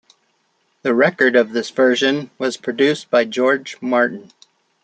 The record of this version was produced by George Martin.